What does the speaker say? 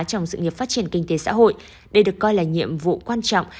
trong sự nghiệp phát triển kinh tế xã hội đây được coi là nhiệm vụ quan trọng